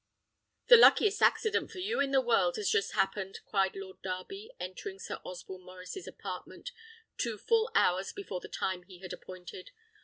"The luckiest accident for you in the world has just happened!" cried Lord Darby, entering Sir Osborne Maurice's apartment two full hours before the time he had appointed.